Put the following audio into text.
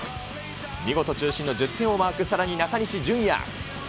見事中心の１０点をマーク、さらに中西絢哉。